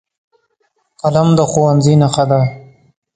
قلم د ښوونځي نښه ده